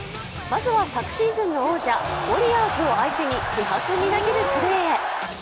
まずは昨シーズンの王者・ウォリアーズを相手に気迫みなぎるプレー。